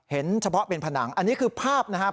เฉพาะเป็นผนังอันนี้คือภาพนะครับ